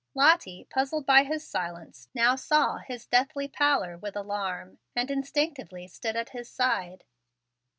Lottie, puzzled by his silence, now saw his deathly pallor with alarm, and instinctively stood at his side.